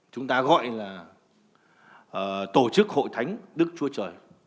chúng ta gọi là tổ chức hội thánh đức chúa trời